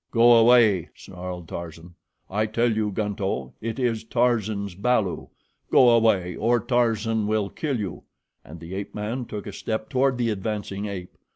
"Go away," snarled Tarzan. "I tell you, Gunto, it is Tarzan's balu. Go away or Tarzan will kill you," and the ape man took a step toward the advancing ape.